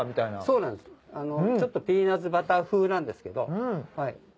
そうなんですちょっとピーナツバター風なんですけど。